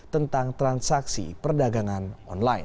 tentang transaksi perdagangan online